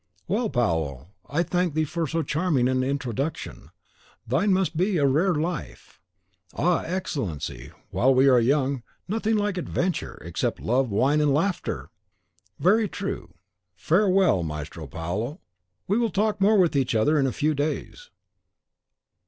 "Well, Paolo! I thank thee for so charming an introduction. Thine must be a rare life." "Ah, Excellency, while we are young, nothing like adventure, except love, wine, and laughter!" "Very true. Farewell, Maestro Paolo; we will talk more with each other in a few days."